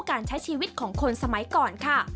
การใช้ชีวิตของคนสมัยก่อนค่ะ